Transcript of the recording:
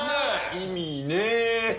意味ねえ！